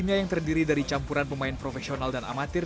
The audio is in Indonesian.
tim yang terdiri dari campuran pemain profesional dan amatir